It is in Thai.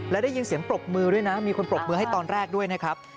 และได้ยินเสียงปรบมือด้วยนะมีคนปรบมือให้ตอนแรกด้วยนะครับ